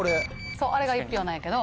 そうあれが１俵なんやけど。